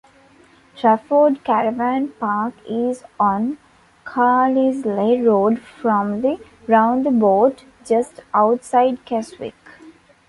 Trafford Caravan Park is on Carlisle Road from the roundabout just outside Keswick.